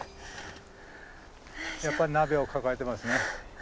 やっぱり鍋を抱えてますね。